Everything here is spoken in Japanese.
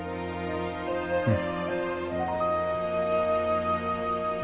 うん。